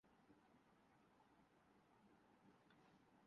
راز الفت چھپا کے دیکھ لیا